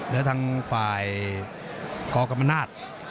แล้วทางฝ่ายกกรรมนาศ